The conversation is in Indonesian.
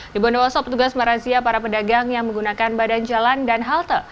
di bondowoso petugas merazia para pedagang yang menggunakan badan jalan dan halte